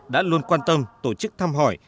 đã luôn quan tâm tổ chức thăm hỏi